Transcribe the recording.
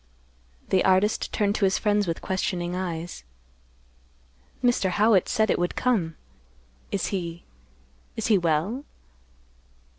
The artist turned to his friends with questioning eyes; "Mr. Howitt said it would come. Is he—is he well?"